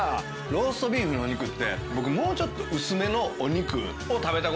ローストビーフのお肉って僕もうちょっと。